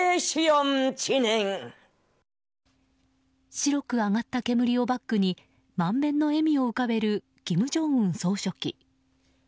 白く上がった煙をバックに満面の笑みを浮かべる金正恩総書記。